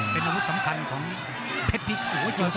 เป็นอมูลสำคัญของเผ็ดพลิกโอ้โหเจ้าซ้อน